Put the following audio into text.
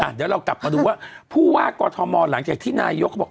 เดี๋ยวเรากลับมาดูว่าผู้ว่ากอทมหลังจากที่นายกเขาบอก